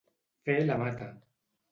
Fer la mata.